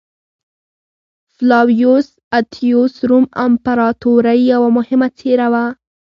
فلاویوس اتیوس روم امپراتورۍ یوه مهمه څېره وه